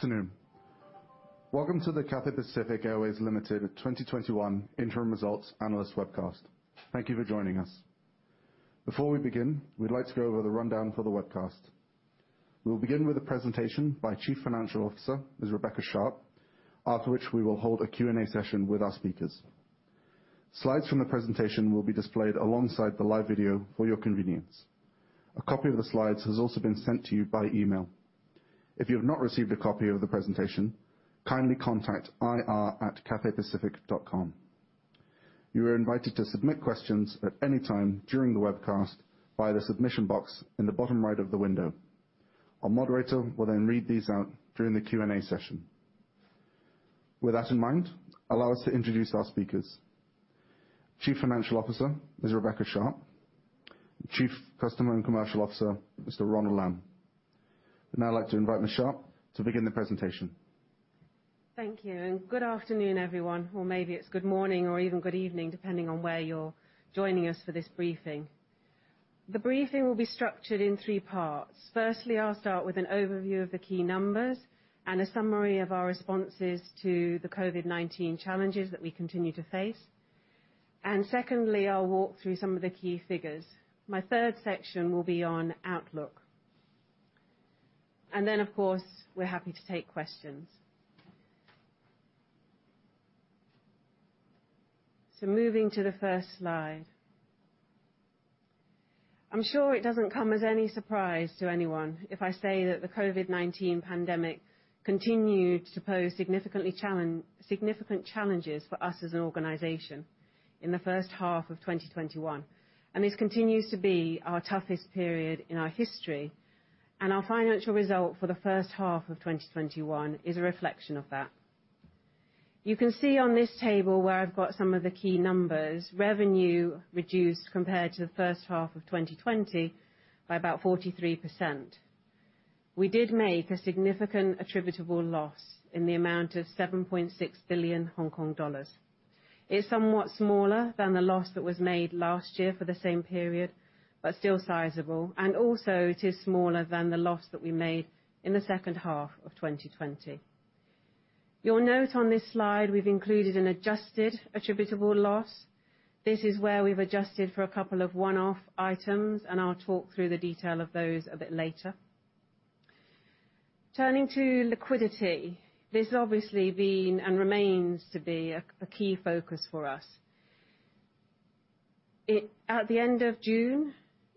Good afternoon. Welcome to the Cathay Pacific Airways Limited 2021 interim results analyst webcast. Thank you for joining us. Before we begin, we'd like to go over the rundown for the webcast. We'll begin with a presentation by Chief Financial Officer, Ms. Rebecca Sharpe, after which we will hold a Q&A session with our speakers. Slides from the presentation will be displayed alongside the live video for your convenience. A copy of the slides has also been sent to you by email. If you have not received a copy of the presentation, kindly contact ir@cathaypacific.com. You are invited to submit questions at any time during the webcast via the submission box in the bottom right of the window. Our moderator will then read these out during the Q&A session. With that in mind, allow us to introduce our speakers. Chief Financial Officer, Ms. Rebecca Sharpe. Chief Customer and Commercial Officer, Mr. Ronald Lam. I'd now like to invite Ms. Sharpe to begin the presentation. Thank you, and good afternoon, everyone. Maybe it's good morning, or even good evening, depending on where you're joining us for this briefing. The briefing will be structured in three parts. Firstly, I'll start with an overview of the key numbers and a summary of our responses to the COVID-19 challenges that we continue to face. Secondly, I'll walk through some of the key figures. My third section will be on outlook. Then, of course, we're happy to take questions. Moving to the first slide. I'm sure it doesn't come as any surprise to anyone if I say that the COVID-19 pandemic continued to pose significant challenges for us as an organization in the first half of 2021. This continues to be our toughest period in our history, and our financial result for the first half of 2021 is a reflection of that. You can see on this table, where I've got some of the key numbers, revenue reduced compared to the first half of 2020 by about 43%. We did make a significant attributable loss in the amount of 7.6 billion Hong Kong dollars. It's somewhat smaller than the loss that was made last year for the same period, but still sizable. Also, it is smaller than the loss that we made in the second half of 2020. You'll note on this slide, we've included an adjusted attributable loss. This is where we've adjusted for a couple of one-off items, and I'll talk through the detail of those a bit later. Turning to liquidity. This has obviously been, and remains to be, a key focus for us. At the end of June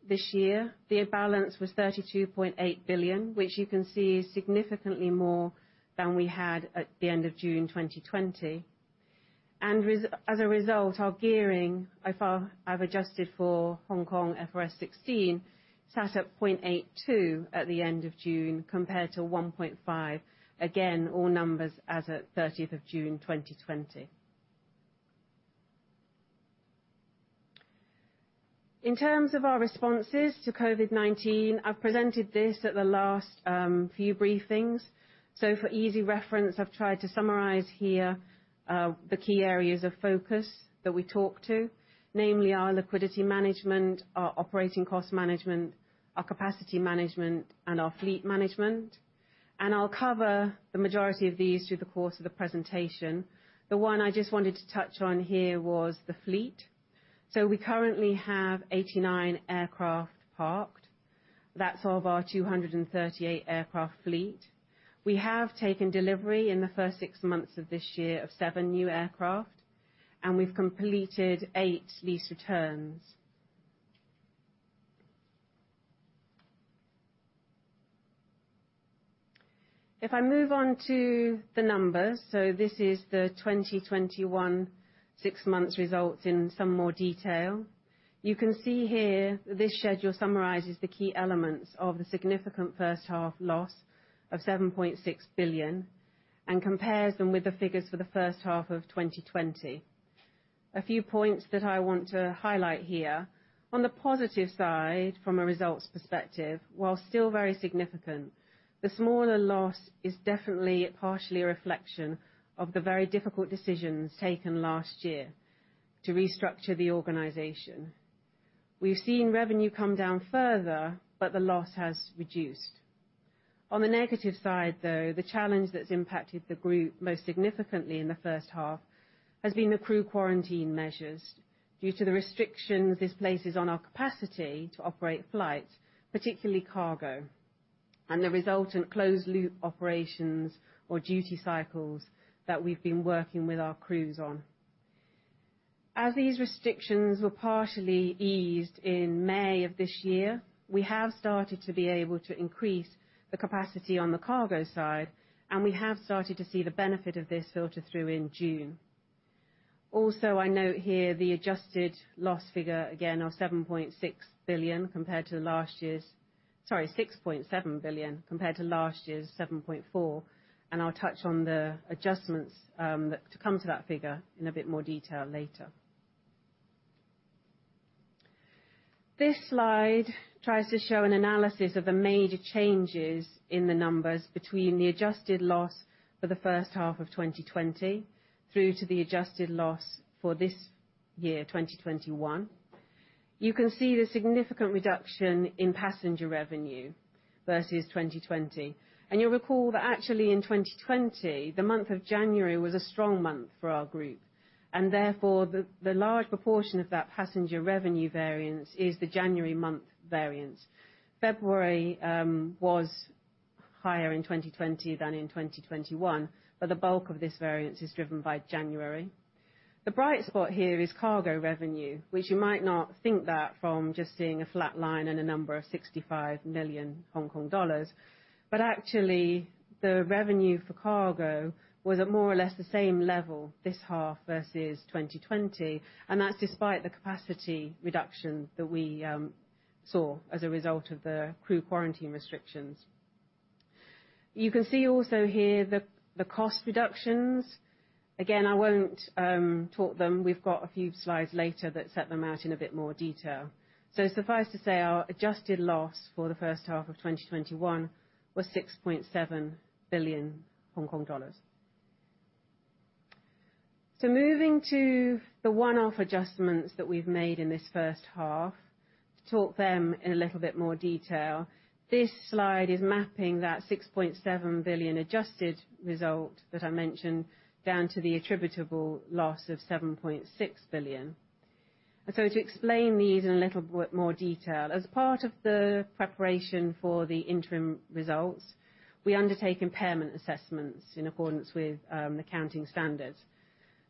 this year, the balance was 32.8 billion, which you can see is significantly more than we had at the end of June 2020. As a result, our gearing, I've adjusted for HKFRS 16, sat at 0.82 at the end of June, compared to 1.5. Again, all numbers as at June 30th, 2020. In terms of our responses to COVID-19, I've presented this at the last few briefings. For easy reference, I've tried to summarize here the key areas of focus that we talk to. Namely, our liquidity management, our operating cost management, our capacity management, and our fleet management. I'll cover the majority of these through the course of the presentation. The one I just wanted to touch on here was the fleet. We currently have 89 aircraft parked. That's of our 238 aircraft fleet. We have taken delivery, in the first six months of this year, of seven new aircraft, and we've completed eight lease returns. If I move on to the numbers, this is the 2021 six months results in some more detail. You can see here that this schedule summarizes the key elements of the significant first half loss of 7.6 billion and compares them with the figures for the first half of 2020. A few points that I want to highlight here. On the positive side, from a results perspective, while still very significant, the smaller loss is definitely partially a reflection of the very difficult decisions taken last year to restructure the organization. We've seen revenue come down further, the loss has reduced. On the negative side, though, the challenge that's impacted the Group most significantly in the first half has been the crew quarantine measures due to the restrictions this places on our capacity to operate flights, particularly cargo. The resultant closed-loop operations or duty cycles that we've been working with our crews on. As these restrictions were partially eased in May of this year, we have started to be able to increase the capacity on the cargo side, and we have started to see the benefit of this filter through in June. I note here the adjusted loss figure, again, our 6.7 billion compared to last year's 7.4 billion. I'll touch on the adjustments to come to that figure in a bit more detail later. This slide tries to show an analysis of the major changes in the numbers between the adjusted loss for the first half of 2020 through to the adjusted loss for this year, 2021. You can see the significant reduction in passenger revenue versus 2020. You'll recall that, actually, in 2020, the month of January was a strong month for our Group, therefore the large proportion of that passenger revenue variance is the January month variance. February was higher in 2020 than in 2021, the bulk of this variance is driven by January. The bright spot here is cargo revenue, which you might not think that from just seeing a flat line and a number of 65 million Hong Kong dollars. Actually, the revenue for cargo was at more or less the same level this half versus 2020, and that's despite the capacity reduction that we saw as a result of the crew quarantine restrictions. You can see also here the cost reductions. Again, I won't talk them. We've got a few slides later that set them out in a bit more detail. Suffice to say, our adjusted loss for the first half of 2021 was 6.7 billion Hong Kong dollars. Moving to the one-off adjustments that we've made in this first half, talk them in a little bit more detail. This slide is mapping that 6.7 billion adjusted result that I mentioned, down to the attributable loss of 7.6 billion. To explain these in a little bit more detail, as part of the preparation for the interim results, we undertake impairment assessments in accordance with accounting standards.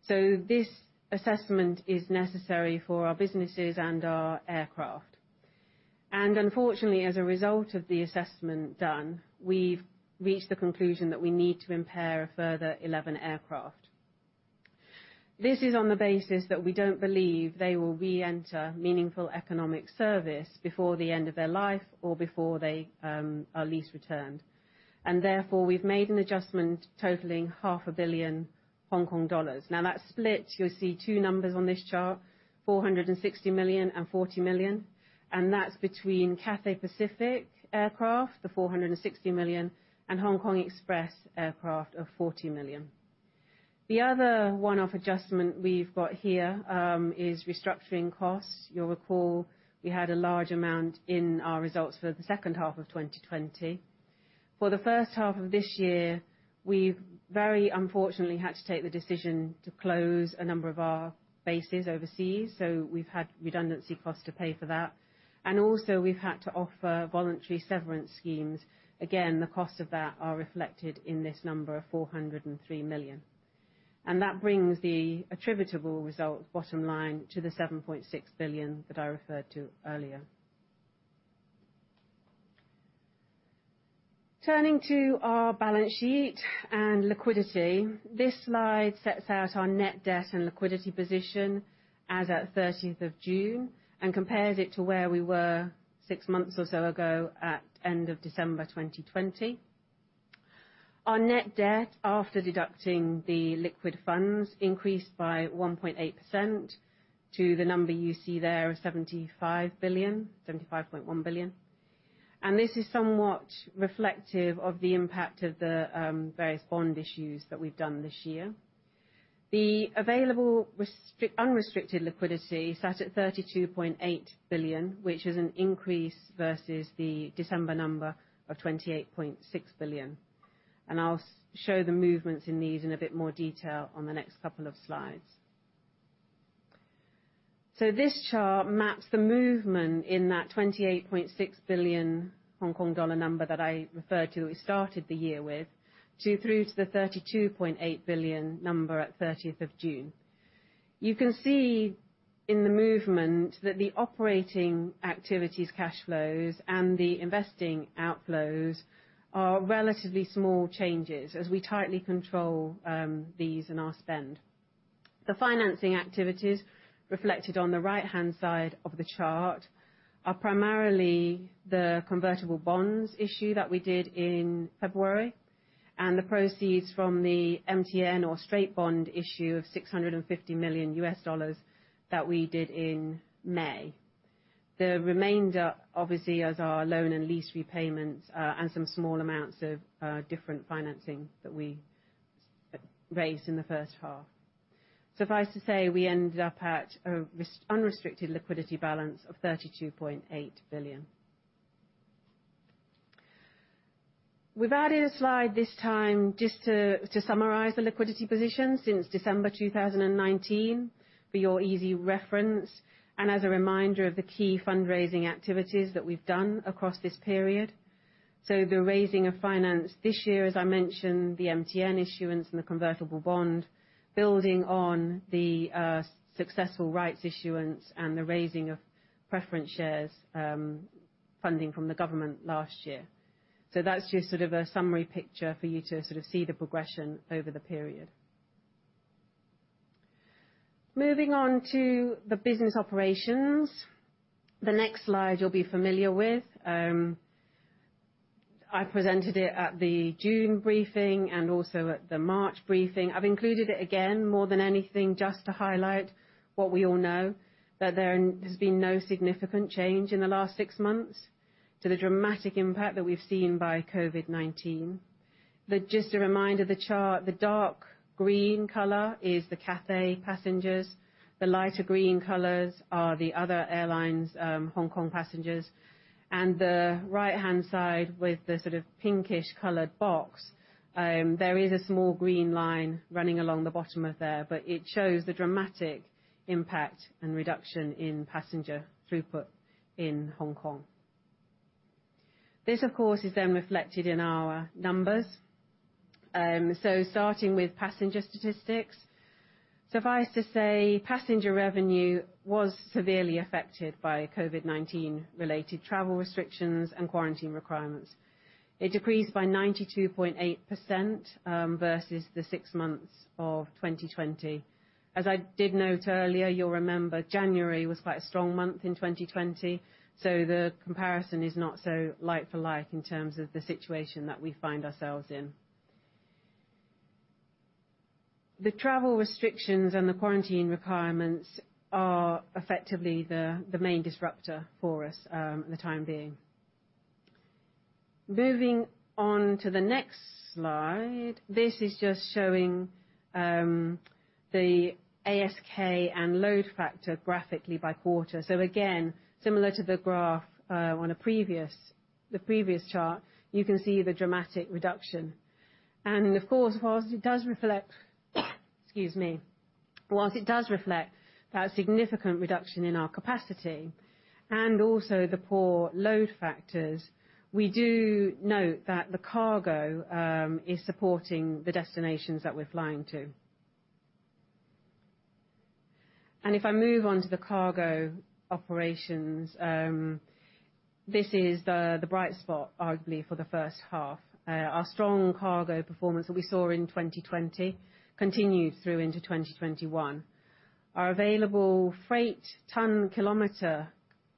This assessment is necessary for our businesses and our aircraft. Unfortunately, as a result of the assessment done, we've reached the conclusion that we need to impair a further 11 aircraft. This is on the basis that we don't believe they will re-enter meaningful economic service before the end of their life or before they are leased returned. Therefore, we've made an adjustment totaling half a billion Hong Kong dollars. That's split, you'll see two numbers on this chart, 460 million and 40 million, and that's between Cathay Pacific aircraft, the 460 million, and Hong Kong Express aircraft of 40 million. The other one-off adjustment we've got here is restructuring costs. You'll recall we had a large amount in our results for the second half of 2020. For the first half of this year, we've very unfortunately had to take the decision to close a number of our bases overseas, so we've had redundancy costs to pay for that. Also, we've had to offer voluntary severance schemes. Again, the costs of that are reflected in this number of 403 million. That brings the attributable result bottom line to the 7.6 billion that I referred to earlier. Turning to our balance sheet and liquidity. This slide sets out our net debt and liquidity position as at June 30th, and compares it to where we were six months or so ago at end of December 2020. Our net debt, after deducting the liquid funds, increased by 1.8% to the number you see there of 75 billion, 75.1 billion. This is somewhat reflective of the impact of the various bond issues that we've done this year. The available unrestricted liquidity sat at 32.8 billion, which is an increase versus the December number of 28.6 billion. I'll show the movements in these in a bit more detail on the next couple of slides. This chart maps the movement in that 28.6 billion Hong Kong dollar number that I referred to we started the year with, through to the 32.8 billion number at 30th of June. You can see in the movement that the operating activities cash flows and the investing outflows are relatively small changes, as we tightly control these in our spend. The financing activities reflected on the right-hand side of the chart are primarily the convertible bonds issue that we did in February, and the proceeds from the MTN or straight bond issue of $650 million that we did in May. The remainder, obviously, as our loan and lease repayments, and some small amounts of different financing that we raised in the first half. Suffice to say, we ended up at an unrestricted liquidity balance of 32.8 billion. We've added a slide this time just to summarize the liquidity position since December 2019 for your easy reference, and as a reminder of the key fundraising activities that we've done across this period. The raising of finance this year, as I mentioned, the MTN issuance and the convertible bond, building on the successful rights issuance and the raising of preference shares, funding from the government last year. That's just sort of a summary picture for you to sort of see the progression over the period. Moving on to the business operations. The next slide you'll be familiar with. I presented it at the June briefing and also at the March briefing. I've included it again, more than anything, just to highlight what we all know, that there has been no significant change in the last six months to the dramatic impact that we've seen by COVID-19. Just a reminder, the chart, the dark green color is the Cathay passengers. The lighter green colors are the other airlines' Hong Kong passengers. On the right-hand side with the sort of pinkish colored box, there is a small green line running along the bottom of it there, but it shows the dramatic impact and reduction in passenger throughput in Hong Kong. This, of course, is then reflected in our numbers. Starting with passenger statistics, suffice to say, passenger revenue was severely affected by COVID-19-related travel restrictions and quarantine requirements. It decreased by 92.8% versus the six months of 2020. As I did note earlier, you'll remember January was quite a strong month in 2020, so the comparison is not so like-for-like in terms of the situation that we find ourselves in. The travel restrictions and the quarantine requirements are effectively the main disruptor for us for the time being. Moving on to the next slide. This is just showing the ASK and load factor graphically by quarter. Again, similar to the graph on the previous chart, you can see the dramatic reduction. Of course, whilst it does reflect that significant reduction in our capacity and also the poor load factors, we do note that the cargo is supporting the destinations that we're flying to. If I move on to the cargo operations, this is the bright spot, arguably, for the first half. Our strong cargo performance that we saw in 2020 continued through into 2021. Our available freight ton-kilometer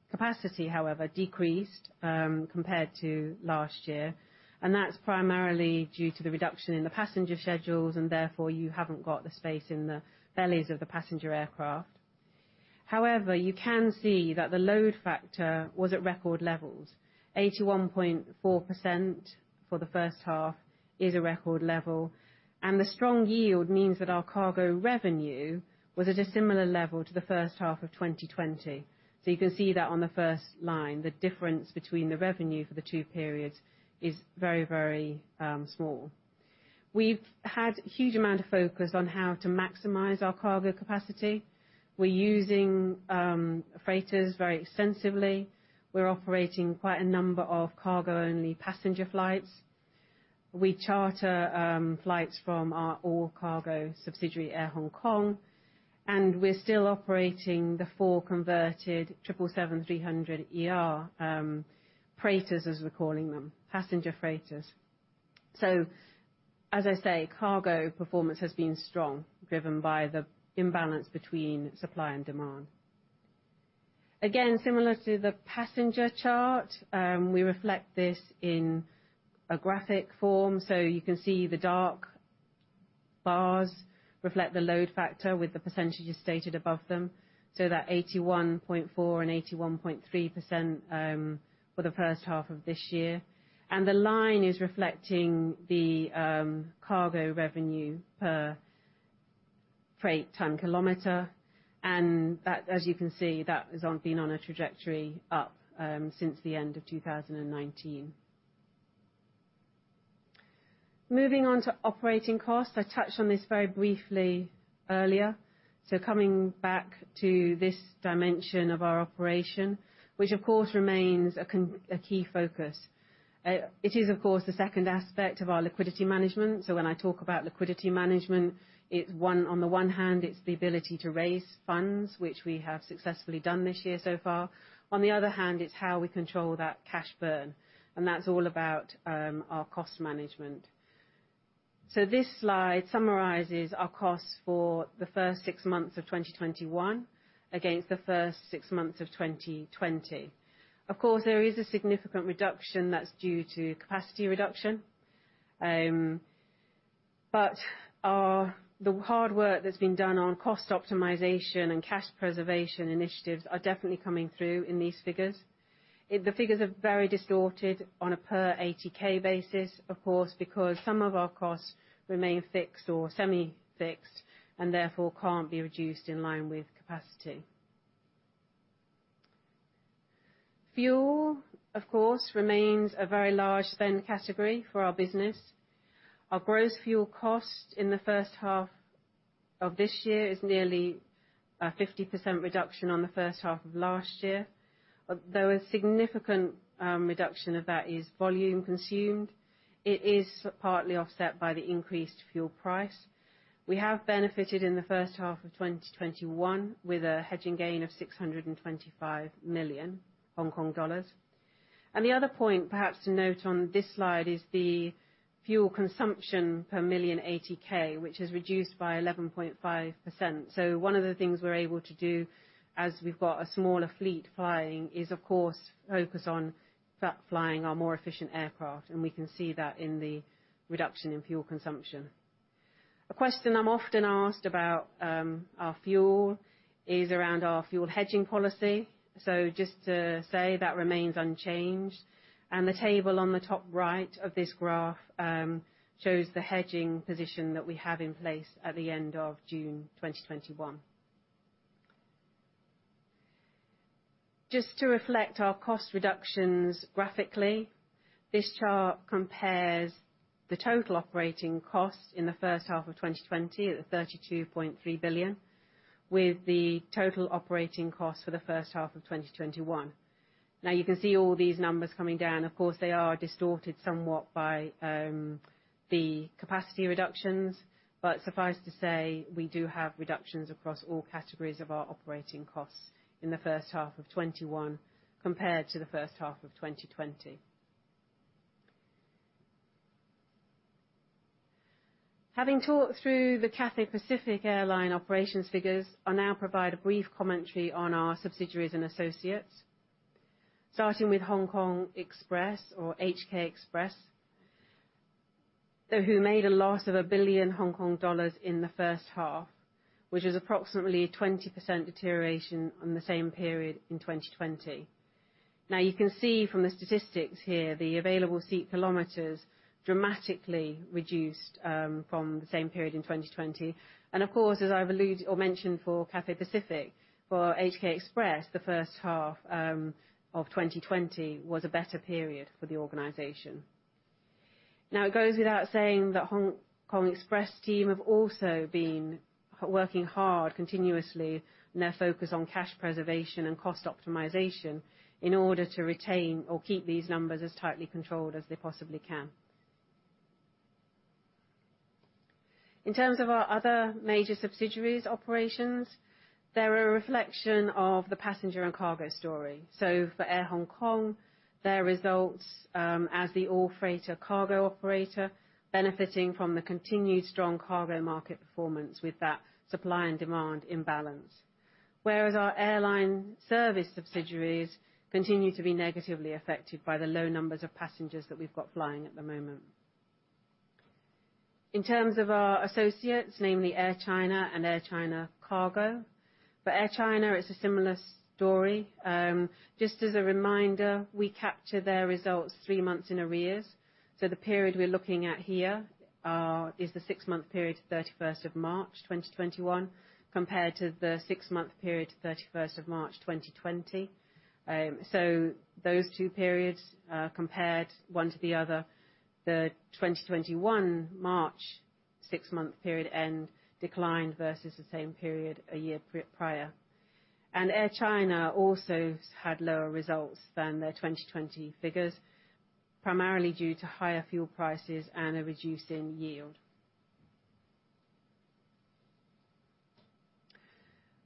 capacity, however, decreased compared to last year. That's primarily due to the reduction in the passenger schedules, and therefore, you haven't got the space in the bellies of the passenger aircraft. However, you can see that the load factor was at record levels. 81.4% for the first half is a record level. The strong yield means that our cargo revenue was at a similar level to the first half of 2020. You can see that on the first line, the difference between the revenue for the two periods is very small. We've had a huge amount of focus on how to maximize our cargo capacity. We're using freighters very extensively. We're operating quite a number of cargo-only passenger flights. We charter flights from our all-cargo subsidiary, Air Hong Kong, and we're still operating the four converted 777-300ER freighters, as we're calling them, passenger freighters. As I say, cargo performance has been strong, driven by the imbalance between supply and demand. Again, similar to the passenger chart, we reflect this in a graphic form, so you can see the dark bars reflect the load factor with the percentages stated above them. That 81.4% and 81.3% for the first half of this year. The line is reflecting the cargo revenue per freight ton-kilometer, and as you can see, that has been on a trajectory up since the end of 2019. Moving on to operating costs. I touched on this very briefly earlier. Coming back to this dimension of our operation, which of course remains a key focus. It is, of course, the second aspect of our liquidity management. When I talk about liquidity management, on the one hand, it's the ability to raise funds, which we have successfully done this year so far. On the other hand, it's how we control that cash burn, and that's all about our cost management. This slide summarizes our costs for the first six months of 2021 against the first six months of 2020. Of course, there is a significant reduction that's due to capacity reduction. The hard work that's been done on cost optimization and cash preservation initiatives are definitely coming through in these figures. The figures are very distorted on a per ATK basis, of course, because some of our costs remain fixed or semi-fixed, and therefore, can't be reduced in line with capacity. Fuel, of course, remains a very large spend category for our business. Our gross fuel cost in the first half of this year is nearly a 50% reduction on the first half of last year. Though a significant reduction of that is volume consumed, it is partly offset by the increased fuel price. We have benefited in the first half of 2021 with a hedging gain of 625 million Hong Kong dollars. The other point perhaps to note on this slide is the fuel consumption per million ATK, which has reduced by 11.5%. One of the things we're able to do as we've got a smaller fleet flying is, of course, focus on flying our more efficient aircraft, and we can see that in the reduction in fuel consumption. A question I'm often asked about our fuel is around our fuel hedging policy. Just to say that remains unchanged, and the table on the top right of this graph shows the hedging position that we have in place at the end of June 2021. Just to reflect our cost reductions graphically, this chart compares the total operating costs in the first half of 2020 at 32.3 billion, with the total operating costs for the first half of 2021. You can see all these numbers coming down. Of course, they are distorted somewhat by the capacity reductions. Suffice to say, we do have reductions across all categories of our operating costs in the first half of 2021 compared to the first half of 2020. Having talked through the Cathay Pacific airline operations figures, I'll now provide a brief commentary on our subsidiaries and associates. Starting with Hong Kong Express or HK Express, who made a loss of 1 billion Hong Kong dollars in the first half, which is approximately a 20% deterioration on the same period in 2020. You can see from the statistics here, the available seat kilometers dramatically reduced from the same period in 2020. Of course, as I've alluded or mentioned for Cathay Pacific, for HK Express, the first half of 2020 was a better period for the organization. It goes without saying that Hong Kong Express team have also been working hard continuously in their focus on cash preservation and cost optimization in order to retain or keep these numbers as tightly controlled as they possibly can. In terms of our other major subsidiaries' operations, they're a reflection of the passenger and cargo story. For Air Hong Kong, their results, as the all-freighter cargo operator, benefiting from the continued strong cargo market performance with that supply and demand imbalance. Whereas our airline service subsidiaries continue to be negatively affected by the low numbers of passengers that we've got flying at the moment. In terms of our associates, namely Air China and Air China Cargo. For Air China, it's a similar story. Just as a reminder, we capture their results three months in arrears. The period we're looking at here is the six-month period of March 31st, 2021, compared to the six-month period to March 31st,2020. Those two periods compared one to the other. The 2021 March six-month period end declined versus the same period a year prior. Air China also had lower results than their 2020 figures, primarily due to higher fuel prices and a reduction in yield.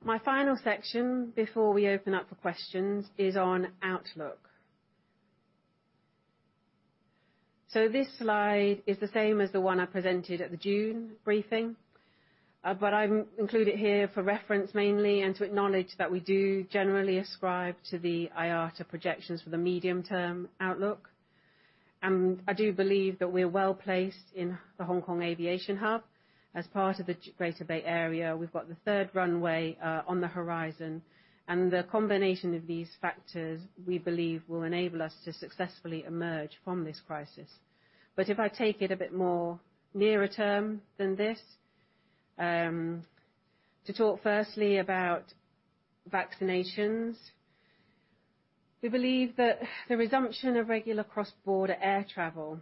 My final section before we open up for questions is on outlook. This slide is the same as the one I presented at the June briefing. I include it here for reference mainly and to acknowledge that we do generally ascribe to the IATA projections for the medium-term outlook. I do believe that we're well-placed in the Hong Kong aviation hub as part of the Greater Bay Area. We've got the third runway on the horizon. The combination of these factors, we believe, will enable us to successfully emerge from this crisis. If I take it a bit more nearer term than this, to talk firstly about vaccinations. We believe that the resumption of regular cross-border air travel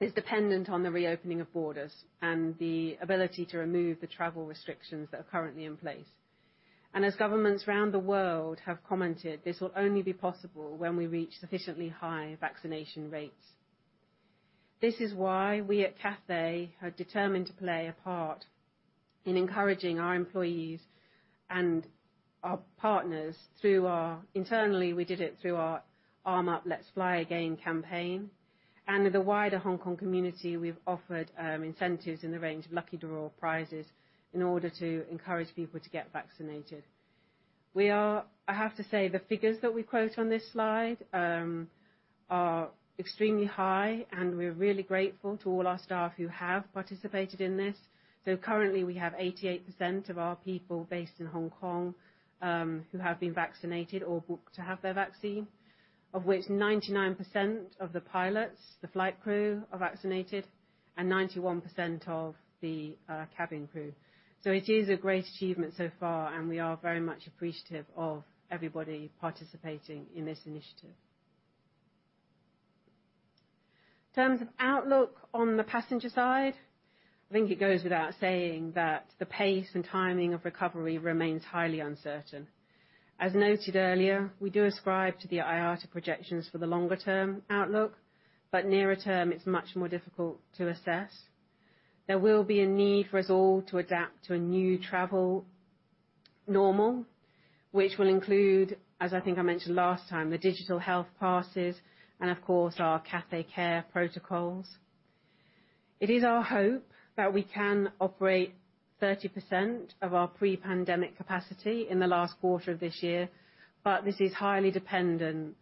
is dependent on the reopening of borders and the ability to remove the travel restrictions that are currently in place. As governments around the world have commented, this will only be possible when we reach sufficiently high vaccination rates. This is why we at Cathay are determined to play a part in encouraging our employees and our partners. Internally, we did it through our Arm Up, Let's Fly Again! campaign. With the wider Hong Kong community, we've offered incentives in the range of lucky draw prizes in order to encourage people to get vaccinated. I have to say, the figures that we quote on this slide are extremely high, and we're really grateful to all our staff who have participated in this. Currently, we have 88% of our people based in Hong Kong, who have been vaccinated or booked to have their vaccine. Of which, 99% of the pilots, the flight crew, are vaccinated, and 91% of the cabin crew. It is a great achievement so far, and we are very much appreciative of everybody participating in this initiative. In terms of outlook on the passenger side, I think it goes without saying that the pace and timing of recovery remains highly uncertain. As noted earlier, we do ascribe to the IATA projections for the longer-term outlook, but nearer term, it's much more difficult to assess. There will be a need for us all to adapt to a new travel normal, which will include, as I think I mentioned last time, the digital health passes and of course, our Cathay Care protocols. It is our hope that we can operate 30% of our pre-pandemic capacity in the last quarter of this year. This is highly dependent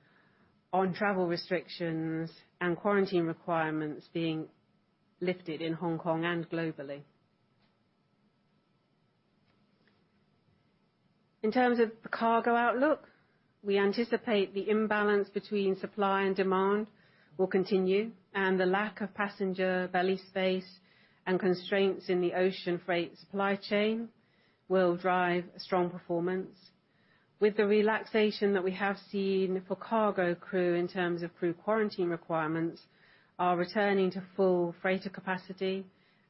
on travel restrictions and quarantine requirements being lifted in Hong Kong and globally. In terms of the cargo outlook, we anticipate the imbalance between supply and demand will continue, and the lack of passenger belly space and constraints in the ocean freight supply chain will drive a strong performance. With the relaxation that we have seen for cargo crew in terms of crew quarantine requirements are returning to full freighter capacity,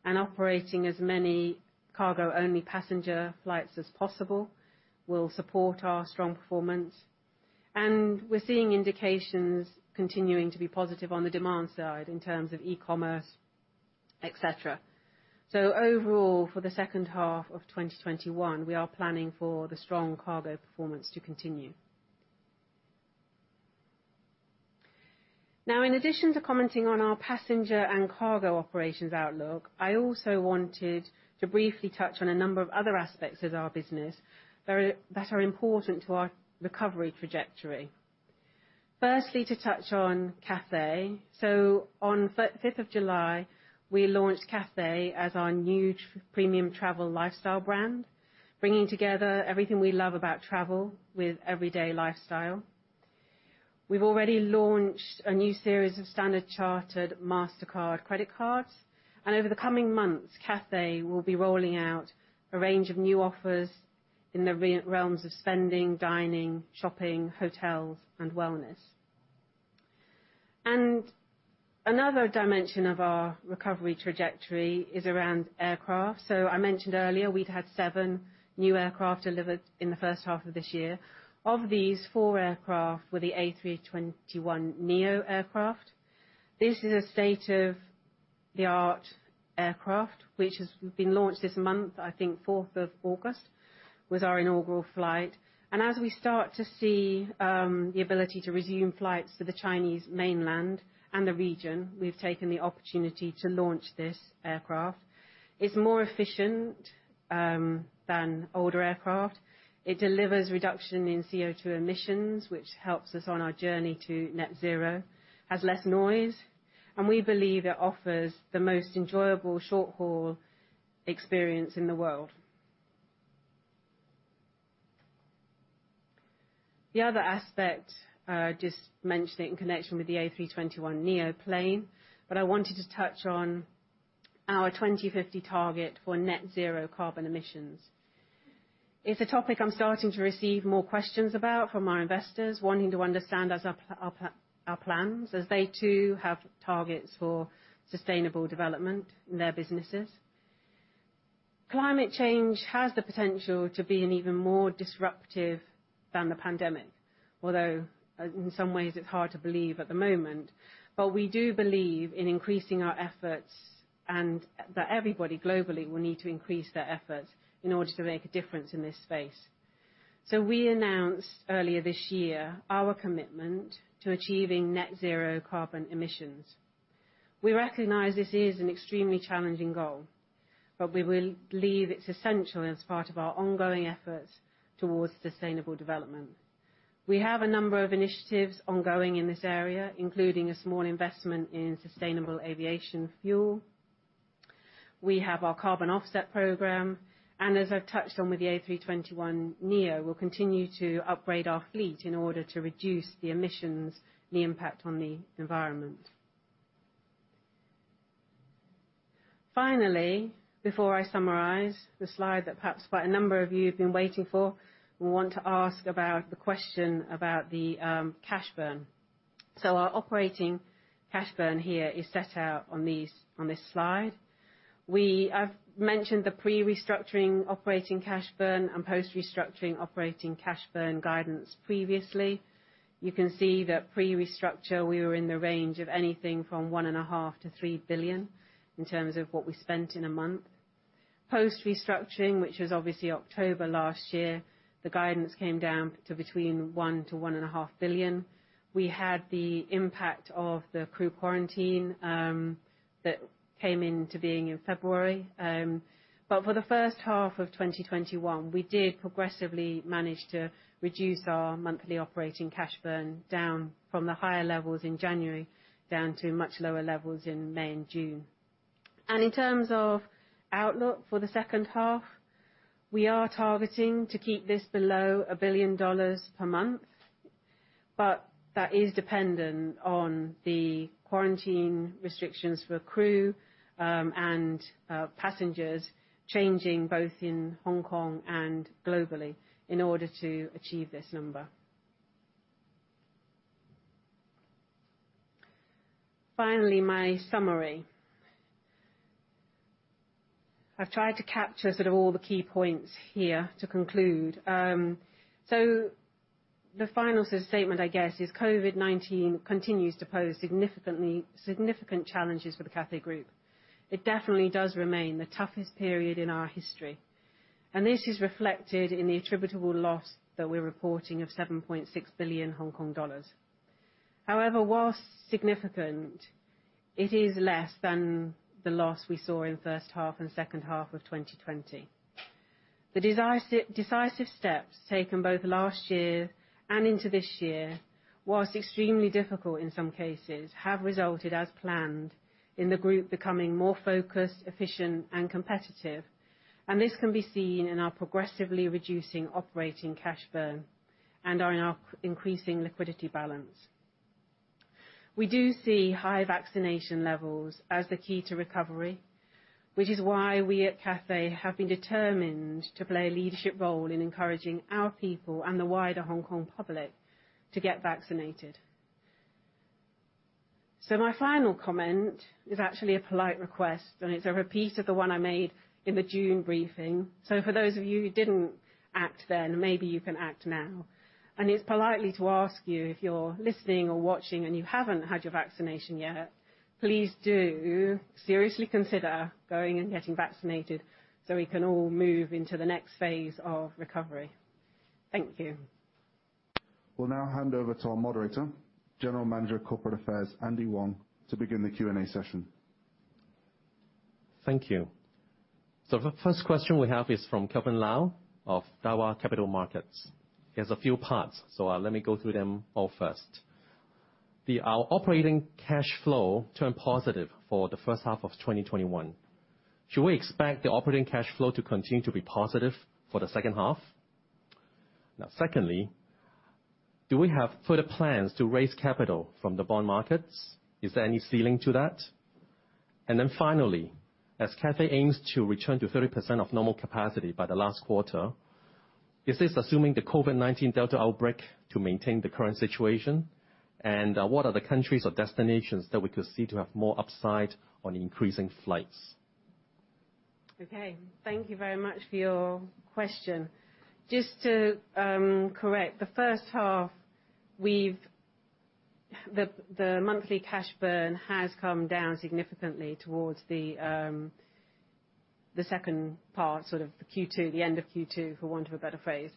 and operating as many cargo-only passenger flights as possible will support our strong performance. We're seeing indications continuing to be positive on the demand side in terms of e-commerce, et cetera. Overall, for the second half of 2021, we are planning for the strong cargo performance to continue. In addition to commenting on our passenger and cargo operations outlook, I also wanted to briefly touch on a number of other aspects of our business that are important to our recovery trajectory. On July 5th, we launched Cathay as our new premium travel lifestyle brand, bringing together everything we love about travel with everyday lifestyle. We've already launched a new series of Standard Chartered Mastercard credit cards, and over the coming months, Cathay will be rolling out a range of new offers in the realms of spending, dining, shopping, hotels and wellness. Another dimension of our recovery trajectory is around aircraft. I mentioned earlier, we'd had seven new aircraft delivered in the first half of this year. Of these four aircraft were the A321neo aircraft. This is a state-of-the-art aircraft, which has been launched this month, I think August 4th was our inaugural flight. As we start to see the ability to resume flights to the Chinese mainland and the region, we've taken the opportunity to launch this aircraft. It's more efficient than older aircraft. It delivers reduction in CO2 emissions, which helps us on our journey to net zero, has less noise, and we believe it offers the most enjoyable short-haul experience in the world. The other aspect, just mentioning in connection with the A321neo plane, but I wanted to touch on our 2050 target for net-zero carbon emissions. It's a topic I'm starting to receive more questions about from our investors, wanting to understand our plans, as they, too have targets for sustainable development in their businesses. Climate change has the potential to be an even more disruptive than the pandemic, although, in some ways, it's hard to believe at the moment. We do believe in increasing our efforts and that everybody globally will need to increase their efforts in order to make a difference in this space. We announced earlier this year our commitment to achieving net zero carbon emissions. We recognize this is an extremely challenging goal, but we believe it's essential as part of our ongoing efforts towards sustainable development. We have a number of initiatives ongoing in this area, including a small investment in sustainable aviation fuel. We have our carbon offset program, and as I've touched on with the A321neo, we'll continue to upgrade our fleet in order to reduce the emissions, the impact on the environment. Finally, before I summarize the slide that perhaps quite a number of you have been waiting for, will want to ask about the question about the cash burn. Our operating cash burn here is set out on this slide. I've mentioned the pre-restructuring operating cash burn and post-restructuring operating cash burn guidance previously. You can see that pre-restructure, we were in the range of anything from 1.5 billion-3 billion in terms of what we spent in a month. Post-restructuring, which was obviously October last year, the guidance came down to between 1 billion-1.5 billion. We had the impact of the crew quarantine that came into being in February. For the first half of 2021, we did progressively manage to reduce our monthly operating cash burn down from the higher levels in January down to much lower levels in May and June. In terms of outlook for the second half, we are targeting to keep this below 1 billion dollars per month, but that is dependent on the quarantine restrictions for crew and passengers changing both in Hong Kong and globally in order to achieve this number. Finally, my summary. I've tried to capture sort of all the key points here to conclude. The final sort of statement, I guess, is COVID-19 continues to pose significant challenges for the Cathay Group. It definitely does remain the toughest period in our history, and this is reflected in the attributable loss that we're reporting of 7.6 billion Hong Kong dollars. However, whilst significant, it is less than the loss we saw in first half and second half of 2020. The decisive steps taken both last year and into this year, whilst extremely difficult in some cases, have resulted as planned, in the group becoming more focused, efficient, and competitive. This can be seen in our progressively reducing operating cash burn and in our increasing liquidity balance. We do see high vaccination levels as the key to recovery, which is why we at Cathay have been determined to play a leadership role in encouraging our people and the wider Hong Kong public to get vaccinated. My final comment is actually a polite request, and it's a repeat of the one I made in the June briefing. For those of you who didn't act then, maybe you can act now. It's politely to ask you if you're listening or watching and you haven't had your vaccination yet, please do seriously consider going and getting vaccinated so we can all move into the next phase of recovery. Thank you. We'll now hand over to our moderator, General Manager of Corporate Affairs, Andy Wong, to begin the Q&A session. Thank you. The first question we have is from Kelvin Lau of Daiwa Capital Markets. He has a few parts, so let me go through them all first. The operating cash flow turned positive for the first half of 2021. Should we expect the operating cash flow to continue to be positive for the second half? Secondly, do we have further plans to raise capital from the bond markets? Is there any ceiling to that? Finally, as Cathay aims to return to 30% of normal capacity by the last quarter, is this assuming the COVID-19 Delta outbreak to maintain the current situation? What are the countries or destinations that we could see to have more upside on increasing flights? Okay. Thank you very much for your question. Just to correct, the first half, the monthly cash burn has come down significantly towards the second part, sort of the Q2, the end of Q2, for want of a better phrase.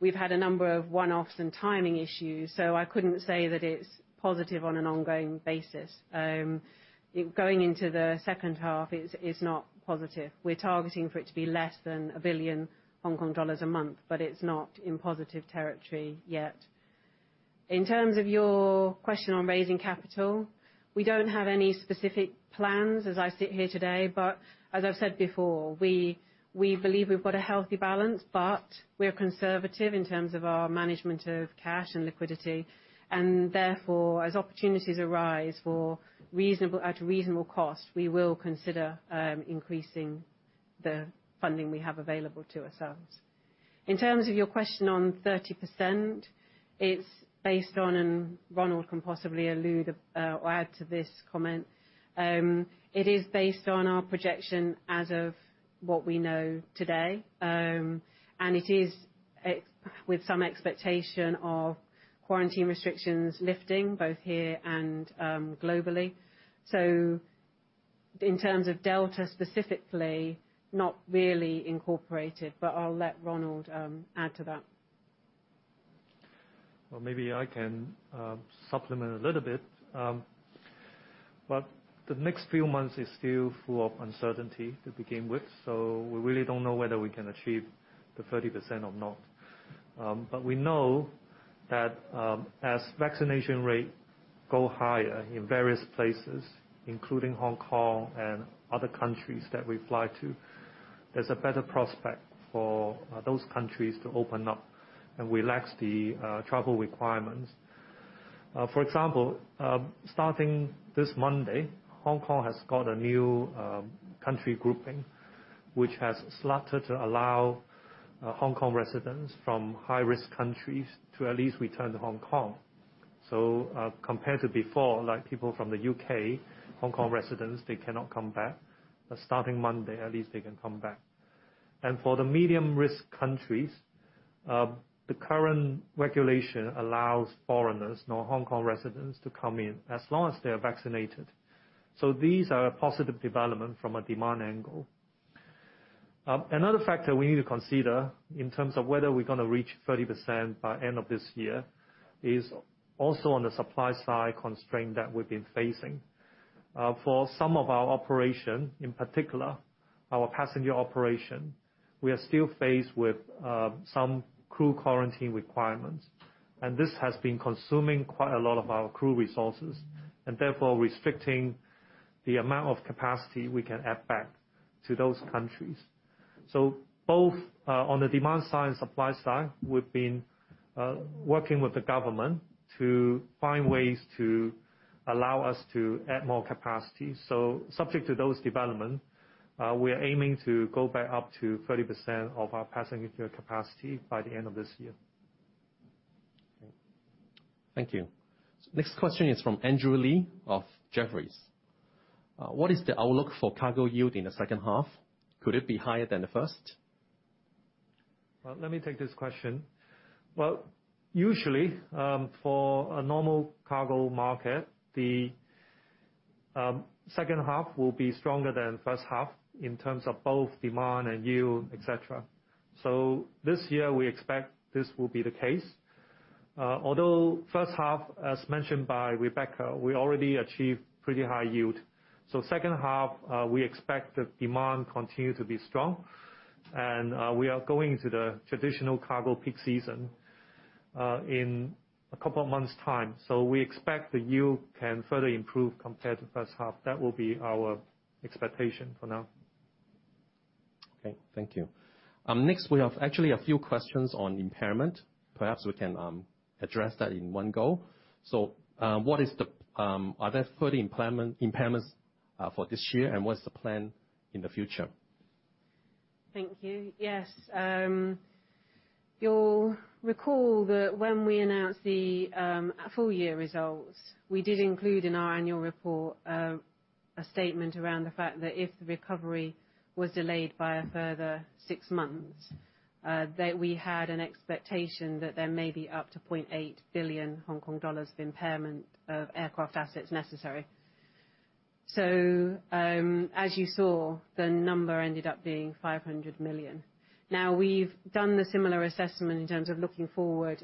We've had a number of one-offs and timing issues, so I couldn't say that it's positive on an ongoing basis. Going into the second half, it's not positive. We're targeting for it to be less than 1 billion Hong Kong dollars a month, but it's not in positive territory yet. In terms of your question on raising capital, we don't have any specific plans as I sit here today, but as I've said before, we believe we've got a healthy balance, but we're conservative in terms of our management of cash and liquidity. Therefore, as opportunities arise at reasonable cost, we will consider increasing the funding we have available to ourselves. In terms of your question on 30%, it's based on, and Ronald can possibly allude or add to this comment, it is based on our projection as of what we know today, and it is with some expectation of quarantine restrictions lifting both here and globally. In terms of Delta specifically, not really incorporated, but I'll let Ronald add to that. Well, maybe I can supplement a little bit. The next few months is still full of uncertainty to begin with, so we really don't know whether we can achieve the 30% or not. We know that as vaccination rates go higher in various places, including Hong Kong and other countries that we fly to, there's a better prospect for those countries to open up and relax the travel requirements. For example, starting this Monday, Hong Kong has got a new country grouping, which has started to allow Hong Kong residents from high-risk countries to at least return to Hong Kong. Compared to before, like people from the U.K., Hong Kong residents, they cannot come back. Starting Monday, at least they can come back. For the medium-risk countries, the current regulation allows foreigners, no Hong Kong residents, to come in as long as they are vaccinated. These are a positive development from a demand angle. Another factor we need to consider in terms of whether we're going to reach 30% by end of this year is also on the supply side constraint that we've been facing. For some of our operation, in particular, our passenger operation, we are still faced with some crew quarantine requirements, and this has been consuming quite a lot of our crew resources and therefore restricting the amount of capacity we can add back to those countries. Both on the demand side and supply side, we've been working with the government to find ways to allow us to add more capacity. Subject to those developments, we are aiming to go back up to 30% of our passenger capacity by the end of this year. Okay. Thank you. Next question is from Andrew Lee of Jefferies. What is the outlook for cargo yield in the second half? Could it be higher than the first? Let me take this question. Usually, for a normal cargo market, the second half will be stronger than first half in terms of both demand and yield, et cetera. This year, we expect this will be the case. Although first half, as mentioned by Rebecca, we already achieved pretty high yield. Second half, we expect the demand continue to be strong. We are going to the traditional cargo peak season in a couple of months' time. We expect the yield can further improve compared to first half. That will be our expectation for now. Okay. Thank you. We have actually a few questions on impairment. Perhaps we can address that in one go. Are there further impairments for this year, and what is the plan in the future? Thank you. Yes. You'll recall that when we announced the full year results, we did include in our annual report, a statement around the fact that if the recovery was delayed by a further six months, that we had an expectation that there may be up to 0.8 billion Hong Kong dollars of impairment of aircraft assets necessary. As you saw, the number ended up being 500 million. We've done the similar assessment in terms of looking forward.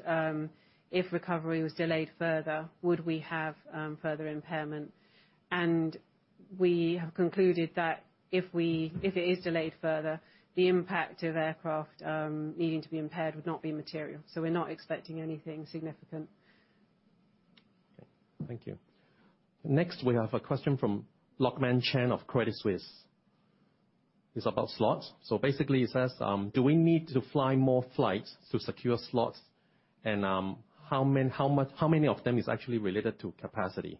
If recovery was delayed further, would we have further impairment? We have concluded that if it is delayed further, the impact of aircraft needing to be impaired would not be material. We're not expecting anything significant. Okay. Thank you. Next, we have a question from Lok Kan Chan of Credit Suisse. It's about slots. Basically, it says, do we need to fly more flights to secure slots, and how many of them is actually related to capacity?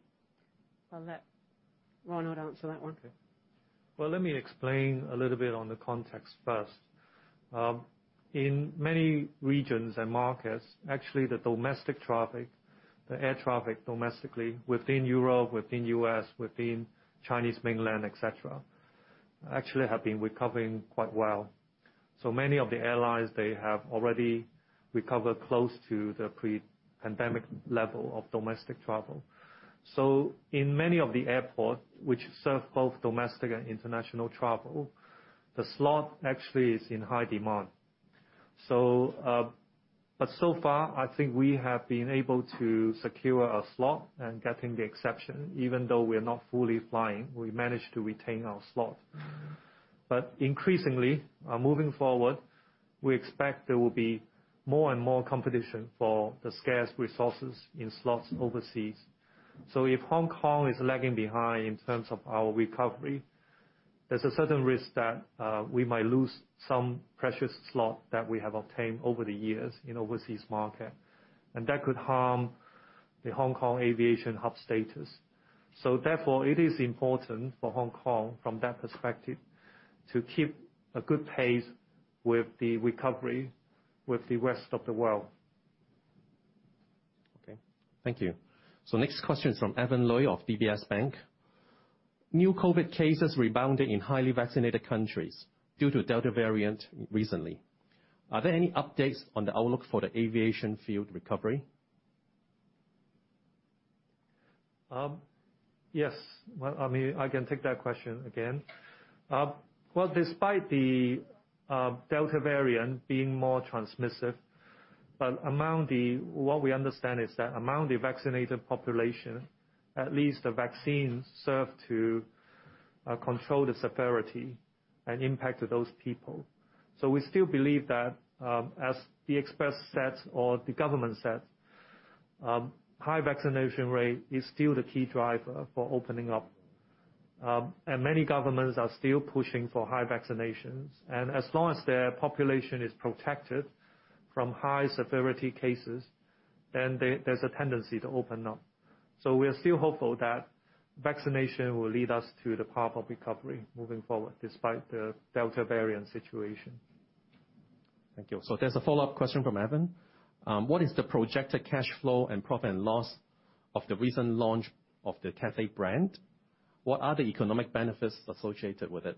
I'll let Ronald answer that one. Okay. Well, let me explain a little bit on the context first. In many regions and markets, actually the domestic traffic, the air traffic domestically within Europe, within U.S., within Chinese mainland, et cetera, actually have been recovering quite well. Many of the airlines, they have already recovered close to the pre-pandemic level of domestic travel. In many of the airports, which serve both domestic and international travel, the slot actually is in high demand. So far, I think we have been able to secure a slot and getting the exception. Even though we're not fully flying, we managed to retain our slot. Increasingly, moving forward, we expect there will be more and more competition for the scarce resources in slots overseas. If Hong Kong is lagging behind in terms of our recovery, there's a certain risk that we might lose some precious slot that we have obtained over the years in overseas market. That could harm the Hong Kong aviation hub status. Therefore, it is important for Hong Kong from that perspective, to keep a good pace with the recovery with the rest of the world. Okay. Thank you. Next question's from Evan Lui of DBS Bank. New COVID-19 cases rebounding in highly vaccinated countries due to Delta variant recently. Are there any updates on the outlook for the aviation field recovery? Yes. I can take that question again. Well, despite the Delta variant being more transmissive, what we understand is that among the vaccinated population, at least the vaccine served to control the severity and impact of those people. We still believe that, as the expert said or the government said, high vaccination rate is still the key driver for opening up. Many governments are still pushing for high vaccinations. As long as their population is protected from high severity cases, then there's a tendency to open up. We are still hopeful that vaccination will lead us to the path of recovery moving forward, despite the Delta variant situation. Thank you. There's a follow-up question from Evan. What is the projected cash flow and profit and loss of the recent launch of the Cathay brand? What are the economic benefits associated with it?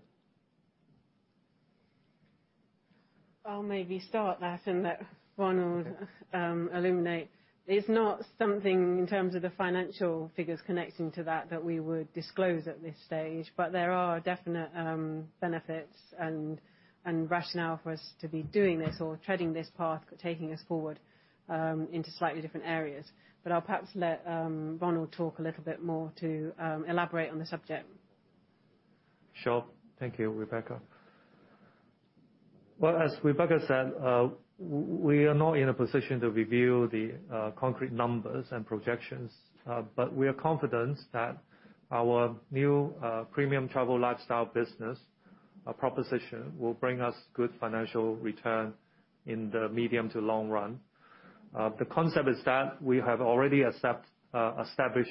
I'll maybe start that and let Ronald illuminate. It's not something, in terms of the financial figures connecting to that we would disclose at this stage, but there are definite benefits and rationale for us to be doing this or treading this path, taking us forward into slightly different areas. I'll perhaps let Ronald talk a little bit more to elaborate on the subject. Sure. Thank you, Rebecca. Well, as Rebecca said, we are not in a position to reveal the concrete numbers and projections, but we are confident that our new premium travel lifestyle business proposition will bring us good financial return in the medium to long run. The concept is that we have already established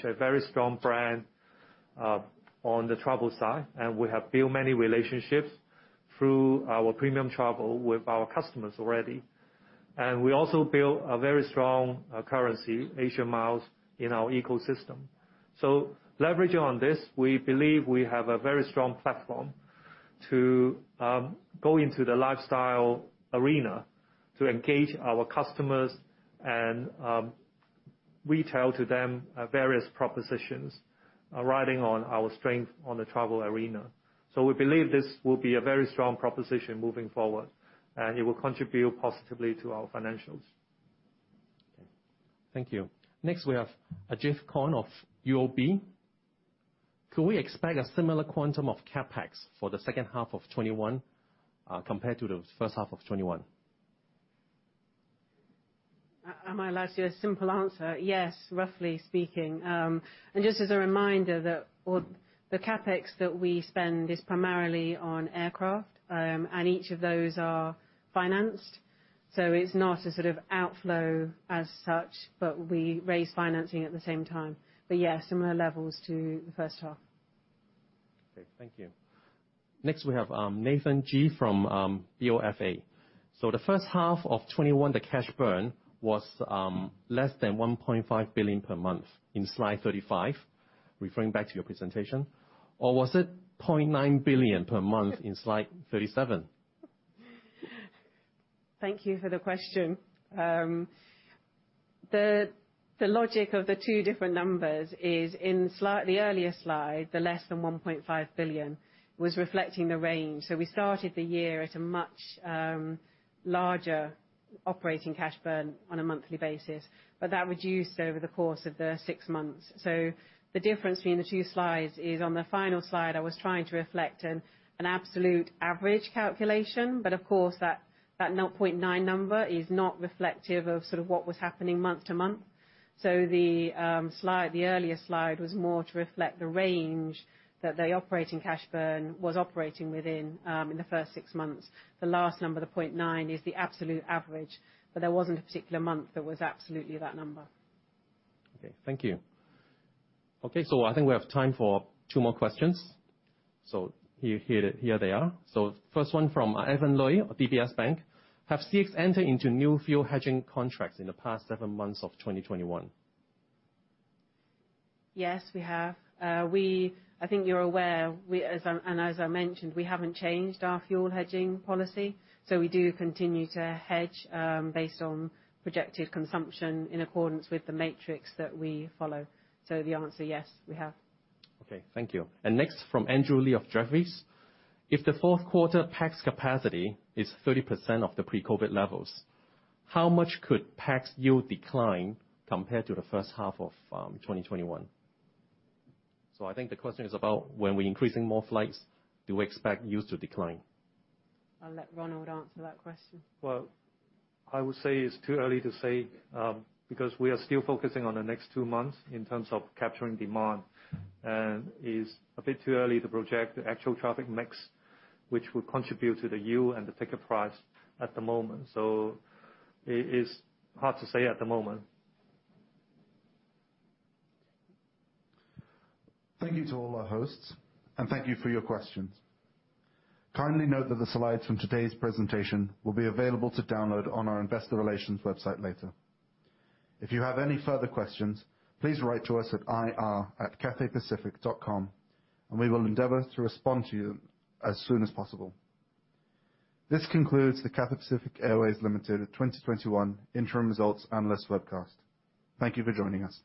a very strong brand, on the travel side, and we have built many relationships through our premium travel with our customers already. We also built a very strong currency, Asia Miles, in our ecosystem. Leveraging on this, we believe we have a very strong platform to go into the lifestyle arena to engage our customers and retail to them our various propositions riding on our strength on the travel arena. We believe this will be a very strong proposition moving forward, and it will contribute positively to our financials. Okay. Thank you. We have Ajith Khan of UOB. Could we expect a similar quantum of CapEx for the second half of 2021, compared to the first half of 2021? Am I allowed to give a simple answer? Yes, roughly speaking. Just as a reminder that all the CapEx that we spend is primarily on aircraft, and each of those are financed. It's not a sort of outflow as such, but we raise financing at the same time. Yeah, similar levels to the first half. Okay. Thank you. We have Nathan Ji from BofA. The first half of 2021, the cash burn was less than 1.5 billion per month, in slide 35, referring back to your presentation. Was it 0.9 billion per month in slide 37? Thank you for the question. The logic of the two different numbers is in the earlier slide, the less than 1.5 billion, was reflecting the range. We started the year at a much larger operating cash burn on a monthly basis. That reduced over the course of the six months. The difference between the two slides is on the final slide, I was trying to reflect an absolute average calculation, but of course, that 0.9 number is not reflective of sort of what was happening month to month. The earlier slide was more to reflect the range that the operating cash burn was operating within in the first six months. The last number, the 0.9, is the absolute average, but there wasn't a particular month that was absolutely that number. Okay. Thank you. Okay, I think we have time for two more questions. Here they are. First one from Evan Lui, DBS Bank. Has CX entered into new fuel hedging contracts in the past seven months of 2021? Yes, we have. I think you're aware, and as I mentioned, we haven't changed our fuel hedging policy, so we do continue to hedge based on projected consumption in accordance with the matrix that we follow. The answer, yes, we have. Okay. Thank you. Next from Andrew Lee of Jefferies. If the fourth quarter pax capacity is 30% of the pre-COVID levels, how much could pax yield decline compared to the first half of 2021? I think the question is about when we're increasing more flights, do we expect yields to decline? I'll let Ronald answer that question. Well, I would say it's too early to say, because we are still focusing on the next two months in terms of capturing demand. It's a bit too early to project the actual traffic mix, which will contribute to the yield and the ticket price at the moment. It is hard to say at the moment. Thank you to all our hosts, and thank you for your questions. Kindly note that the slides from today's presentation will be available to download on our investor relations website later. If you have any further questions, please write to us at ir@cathaypacific.com, and we will endeavor to respond to you as soon as possible. This concludes the Cathay Pacific Airways Limited 2021 interim results analysts' webcast. Thank you for joining us.